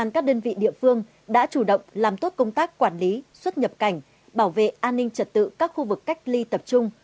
công tác quản lý xuất nhập cảnh bảo vệ an ninh trật tự các khu vực cách ly tập trung